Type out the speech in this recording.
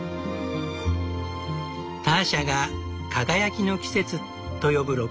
ターシャが「輝きの季節」と呼ぶ６月。